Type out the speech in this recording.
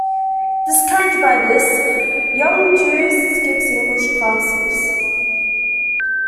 Discouraged by this, Young-ju skips English classes.